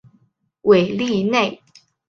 韦利内。